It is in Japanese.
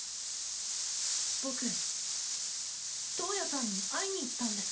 僕トウヤさんに会いに行ったんです。